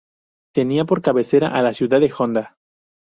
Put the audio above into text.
Tenía por cabecera a la ciudad de Honda.